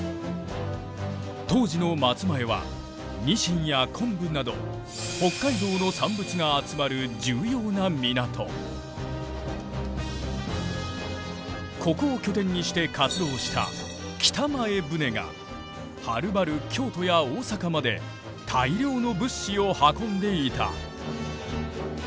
当時の松前はニシンや昆布などここを拠点にして活動した北前船がはるばる京都や大阪まで大量の物資を運んでいた。